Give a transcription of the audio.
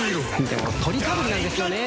でもトリかぶりなんですよね。